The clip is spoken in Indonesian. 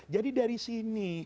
jadi dari sini